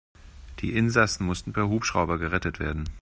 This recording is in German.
Die Insassen mussten per Hubschrauber gerettet werden.